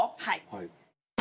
はい。